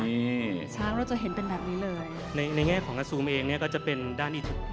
นี่ช้างเราจะเห็นเป็นแบบนี้เลยในในแง่ของกระซูมเองเนี่ยก็จะเป็นด้านที่ถูก